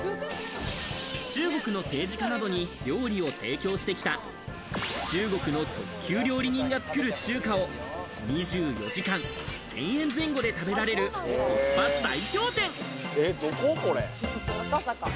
中国の政治家などに料理を提供してきた中国の特級料理人が作る中華を２４時間１０００円前後で食べられるコスパ最強店。